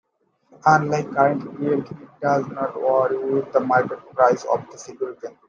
Unlike current yield, it does not vary with the market price of the security.